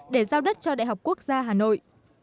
để giao đất cho đại học quốc gia hà nội